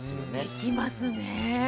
できますねえ。